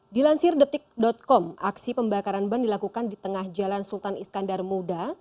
dilansir detik com aksi pembakaran ban dilakukan di tengah jalan sultan iskandar muda